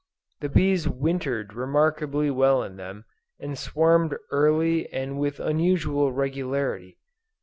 The bees wintered remarkably well in them, and swarmed early and with unusual regularity.